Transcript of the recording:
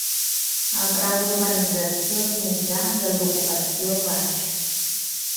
El grau d'urbanització és mitjà i el d'ocupació baix.